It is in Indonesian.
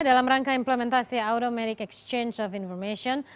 dalam rangka implementasi automatic exchange of information